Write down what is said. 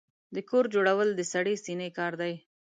د کور جوړول د سړې سينې کار دی.